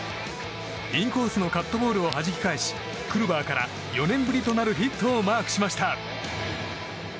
インコースのカットボールをはじき返しクルバーから４年ぶりとなるヒットをマークしました。